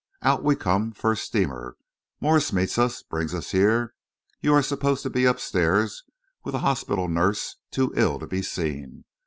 Out we come, first steamer. Morse meets us, brings us here; you are supposed to be upstairs with a hospital nurse, too ill to be seen.